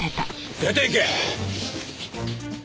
出ていけ！